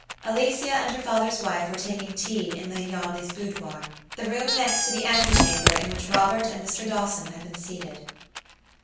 Alicia and her father's wife were taking tea in Lady Audley's boudoir, the room next to the antechamber in which Robert and Mr. Dawson had been seated.